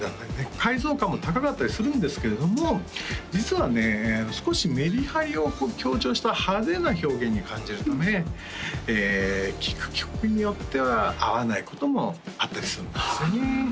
解像感も高かったりするんですけれども実はね少しメリハリを強調した派手な表現に感じるため聴く曲によっては合わないこともあったりするんですよね